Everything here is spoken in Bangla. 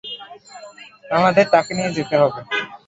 আমাদের তাকে নিয়ে যেতে হবে।